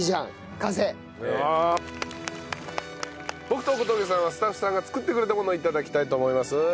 僕と小峠さんはスタッフさんが作ってくれたものを頂きたいと思います。